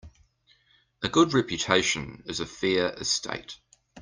A good reputation is a fair estate.